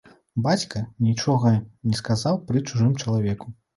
Бацька нічога не сказаў пры чужым чалавеку.